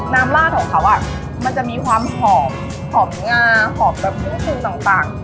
น้ำราดของเค้าอะมันจะมีความหอมหอมงาหอมแบบขึ้นขึ้นต่างต่าง